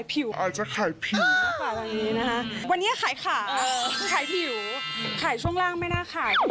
ตอบดีนะ